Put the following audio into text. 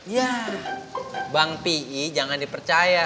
yah bang pi jangan dipercaya